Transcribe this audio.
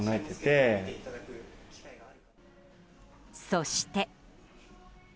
そして。